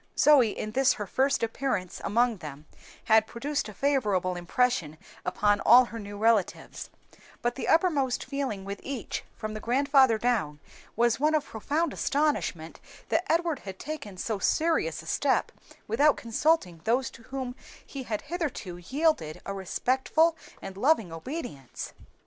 Zoe, in this her first appearance among them, had produced a favorable impression upon all her new relatives; but the uppermost feeling with each, from the grandfather down, was one of profound astonishment that Edward had taken so serious a step without consulting those to whom he had hitherto yielded a respectful and loving obedience.